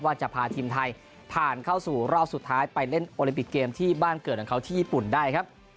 ว่าจะพาทีมไทยผ่านเข้าสู่รอบสุดท้ายไปเล่นโอลิมปิกเกมที่บ้านเกิดของเขาที่ญี่ปุ่นได้ครับ